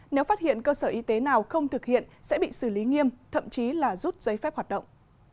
nếu phát hiện cơ sở y tế nào không thực hiện sẽ bị xử lý nghiêm thậm chí là rút giấy phép hoạt động